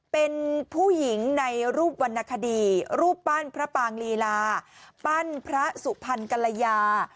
เป็นผู้หญิงในรูปวรรณคดีรูปปั้นพระปางลีลาปั้นพระสุพรรณกัลยา